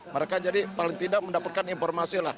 mereka jadi paling tidak mendapatkan informasi lah